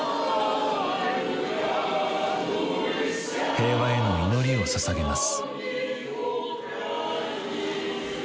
平和への祈りをささげます。